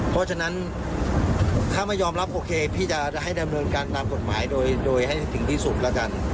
เพราะฉะนั้นถ้าไม่ยอมรับโอเคพี่จะให้ดำเนินการตามกฎหมายโดยให้ถึงที่สุดแล้วกัน